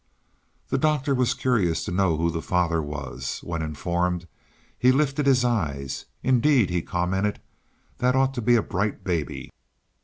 The doctor was curious to know who the father was; when informed he lifted his eyes. "Indeed," he commented. "That ought to be a bright baby."